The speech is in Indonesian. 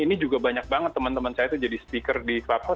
ini juga banyak banget teman teman saya itu jadi speaker di platform